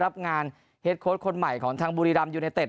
รับงานเฮดโค้ดคนใหม่ของทางบุรีรัมยูเนเต็ด